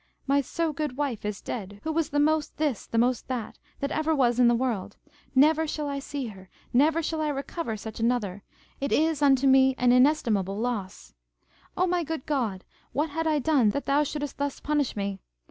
My so good wife is dead, who was the most this, the most that, that ever was in the world. Never shall I see her, never shall I recover such another; it is unto me an inestimable loss! O my good God, what had I done that thou shouldest thus punish me?